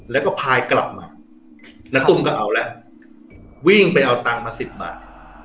แล้วก็พายกลับมาณตุ้มก็เอาแล้ววิ่งไปเอาตังค์มาสิบบาท